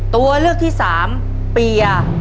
ตัวเลือกที่๓เปีย